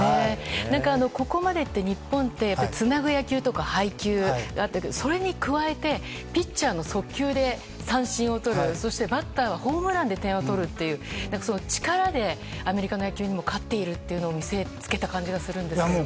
ここまでって日本ってつなぐ野球とか配球があってそれに加えてピッチャーの速球で三振をとるそしてバッターはホームランで点を取るという力でアメリカの野球にも勝っているというのを見せつけた感じがするんですけど。